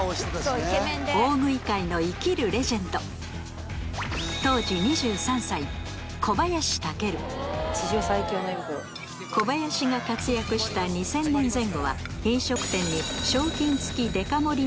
そうイケメンで大食い界の生きるレジェンド小林が活躍した２０００年前後は飲食店に賞金付きデカ盛り